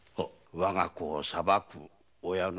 我が子を裁く親の気持ち。